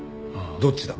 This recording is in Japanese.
どっちだ？